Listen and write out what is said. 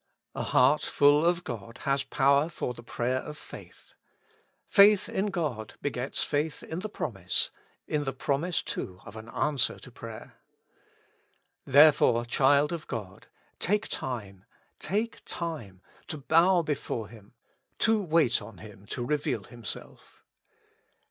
A heart full of God has power for the prayer of faith. Faith in God begets faith in the promise, in the promise too of an answer to prayer. Therefore, child of God, take time, take time, to bow before Hint^ to wait on Hint to reveal Himself.